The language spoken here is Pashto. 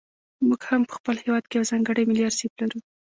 موږ هم په خپل هېواد کې یو ځانګړی ملي ارشیف لرو.